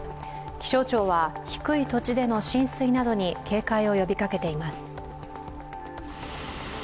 気象庁は、低い土地での浸水などに警戒を呼びかけています。